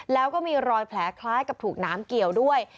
แล้วก็มีรอยแผลคล้ายกับถูกน้ำเกี่ยวด้วย